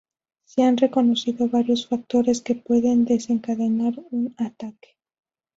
Se han reconocido varios factores que pueden desencadenar un ataque.